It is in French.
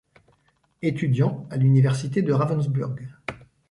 Étudiant à l'université de Ravensburg.